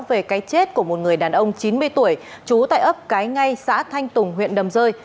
về cái chết của một người đàn ông chín mươi tuổi trú tại ấp cái ngay xã thanh tùng huyện đầm rơi